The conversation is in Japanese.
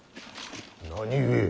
何故。